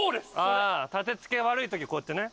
ああ建て付けが悪い時こうやってね。